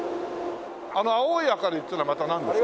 あの青い明かりっていうのはまたなんですか？